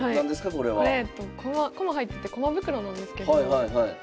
これ駒入ってて駒袋なんですけど。